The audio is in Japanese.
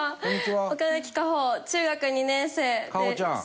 岡垣花歩中学２年生です。